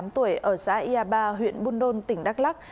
một mươi tám tuổi ở xã yà ba huyện buôn đôn tp đắk lắk